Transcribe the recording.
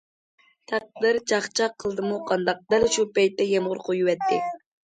تەقدىر چاقچاق قىلدىمۇ قانداق، دەل شۇ پەيتتە يامغۇر قۇيۇۋەتتى.